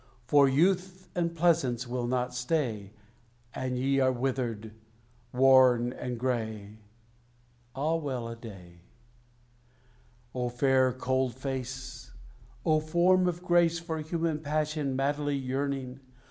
For Youth and Pleasance will not stay, And ye are withered, worn, and gray. Ah, well a day! O fair cold face! O form of grace, For human passion madly yearning!